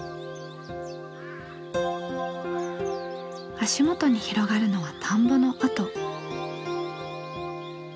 足元に広がるのは田んぼの跡。